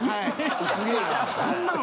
すげぇな。